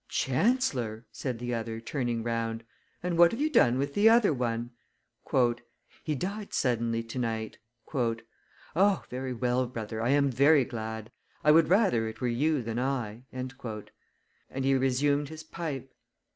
"Chancellor!" said the other, turning round; "and what have you done with the other one?" "He died suddenly to night." "O, very well, brother, I am very glad; I would rather it were you than I;" and he resumed his pipe.